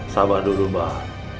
sabar dulu mbak